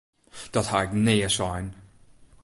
Dat ha ik nea sein!